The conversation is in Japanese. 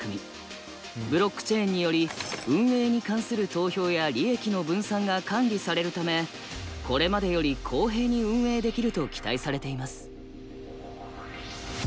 ブロックチェーンにより運営に関する投票や利益の分散が管理されるためこれまでより公平に運営できると期待されています。